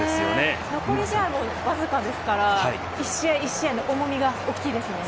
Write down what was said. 残り試合もわずかですから１試合１試合の重みが大きいです。